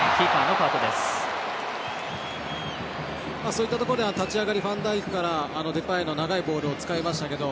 そういったところで立ち上がりファンダイクからデパイの長いボールを使いましたけど。